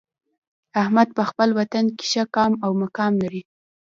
احمد په خپل وطن کې ښه قام او مقام لري.